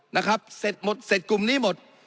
นะครับเสร็จกลุ่มนี้หมด